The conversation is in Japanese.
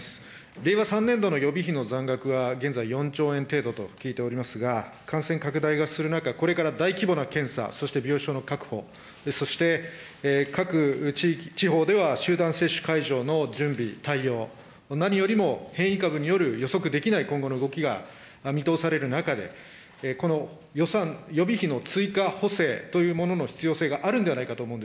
令和３年度の予備費の残額は現在４兆円程度と聞いておりますが、感染拡大がする中、大規模な検査、そして病床の確保、そして各地方では集団接種会場の準備、対応、何よりも変異株による予測できない今後の動きが見通される中で、この予算、予備費の追加補正というものの必要性があるんではないかと思うん